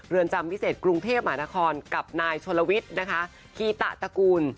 จำพิเศษกรุงเทพหมานครกับนายชนลวิทย์นะคะคีตะตระกูล